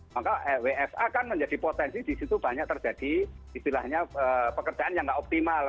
maka wfa kan menjadi potensi di situ banyak terjadi istilahnya pekerjaan yang nggak optimal